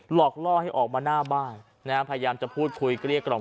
หลอกล่อให้ออกมาหน้าบ้านนะฮะพยายามจะพูดคุยเกลี้ยกล่อม